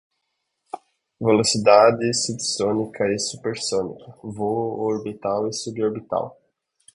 velocidade subsônica e supersônica, voo orbital e suborbital